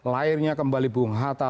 lahirnya kembali bung hatta